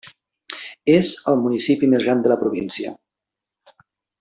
És el municipi més gran de la província.